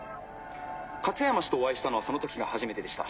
勝山氏とお会いしたのはその時が初めてでした。